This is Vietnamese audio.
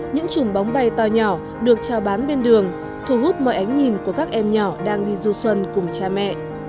những chùm bóng bay to nhỏ được trao bán bên đường thu hút mọi ánh nhìn của các em nhỏ đang đi du xuân cùng cha mẹ